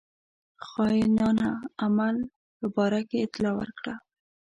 خاینانه عمل په باره کې اطلاع ورکړه.